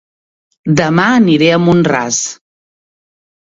Dema aniré a Mont-ras